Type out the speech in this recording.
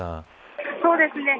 そうですね。